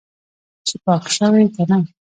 چې پاک شوی که نه.